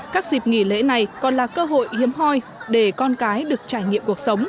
các dịp nghỉ lễ này còn là cơ hội hiếm hoi để con cái được trải nghiệm cuộc sống